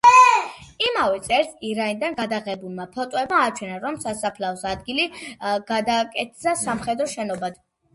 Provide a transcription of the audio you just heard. იმავე წელს, ირანიდან გადაღებულმა ფოტოებმა აჩვენა, რომ სასაფლაოს ადგილი გადაკეთდა სამხედრო შენობად.